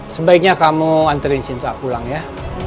sebaiknya kamu anterin sinta pulang ya